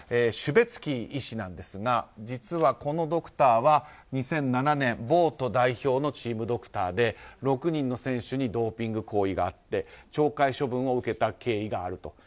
シュベツキー医師なんですが実はこのドクターは、２００７年ボート代表のチームドクターで６人の選手にドーピング行為があって懲戒処分を受けた経緯があると。